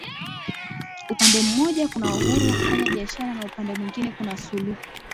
Upande mmoja kuna Uhuru wa kufanya biashara na upande mwingine kuna Suluhu